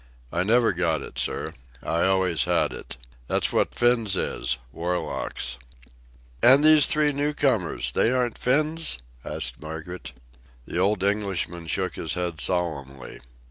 "I never got it, sir. I always had it. That's what Finns is—warlocks." "And these three new comers—they aren't Finns?" asked Margaret. The old Englishman shook his head solemnly.